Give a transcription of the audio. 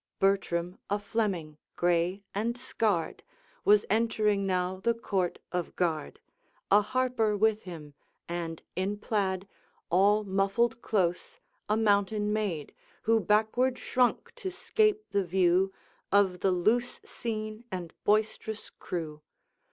Bertram, a Fleming, gray and scarred, Was entering now the Court of Guard, A harper with him, and, in plaid All muffled close, a mountain maid, Who backward shrunk to 'scape the view Of the loose scene and boisterous crew.